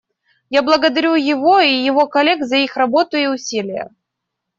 Я благодарю его и его коллег за их работу и усилия.